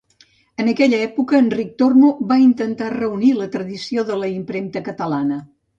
En aquella època Enric Tormo va intentar reunir la tradició de la impremta catalana.